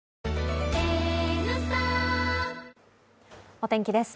お天気です。